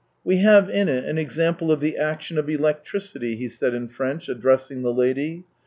We have in it an example of the action of electricity." he said in French, addressing the lady.